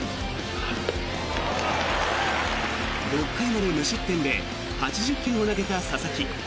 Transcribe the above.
６回まで無失点で８０球を投げた佐々木。